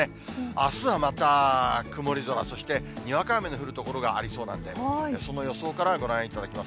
あすはまた曇り空、そしてにわか雨の降る所がありそうなんで、その予想からご覧いただきます。